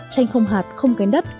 chanh không hạt không kén đất